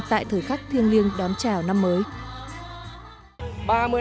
tại thời khắc thiêng liêng đón chào năm mới